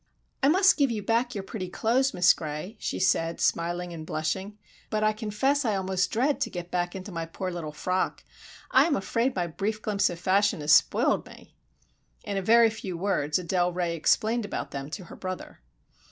"I must give you back your pretty clothes, Miss Gray," she said, smiling and blushing, "but I confess I almost dread to get back into my poor little frock! I am afraid my brief glimpse of fashion has spoiled me." In a very few words Adele Ray explained about them to her brother.